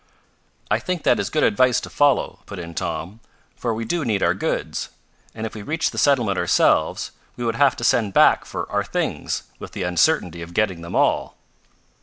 "I think that is good advice to follow," put in Tom, "for we do need our goods; and if we reached the settlement ourselves, we would have to send back for our things, with the uncertainty of getting them all."